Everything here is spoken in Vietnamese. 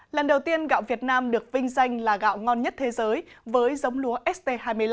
lần đầu tiên gạo việt nam được vinh danh là gạo ngon nhất thế giới với giống lúa st hai mươi năm